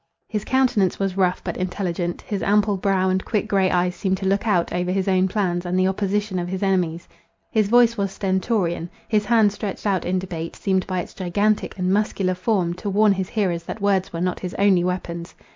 His countenance was rough but intelligent—his ample brow and quick grey eyes seemed to look out, over his own plans, and the opposition of his enemies. His voice was stentorian: his hand stretched out in debate, seemed by its gigantic and muscular form, to warn his hearers that words were not his only weapons.